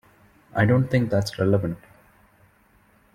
I don't think that's relevant.